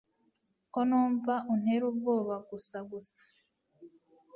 ko numva untera ubwoba gusa gusa